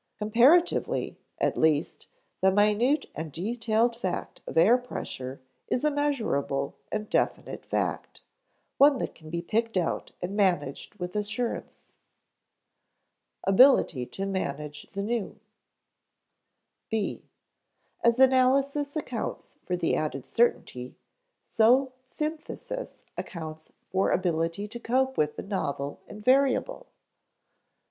Comparatively, at least, the minute and detailed fact of air pressure is a measurable and definite fact one that can be picked out and managed with assurance. [Sidenote: Ability to manage the new] (b) As analysis accounts for the added certainty, so synthesis accounts for ability to cope with the novel and variable.